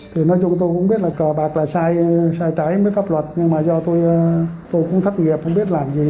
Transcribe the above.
chúng tôi cũng biết là cờ bạc là sai trái mới thắp luật nhưng mà do tôi cũng thấp nghiệp không biết làm gì